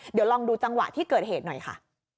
เดี๋ยวลองดูจังหวะที่เกิดเหตุหน่อยค่ะ